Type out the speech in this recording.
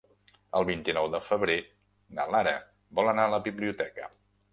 El vint-i-nou de febrer na Lara vol anar a la biblioteca.